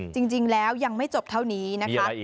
จริงแล้วยังไม่จบเท่านี้นะคะ